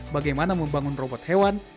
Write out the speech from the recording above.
bagaimana membangun robot hewan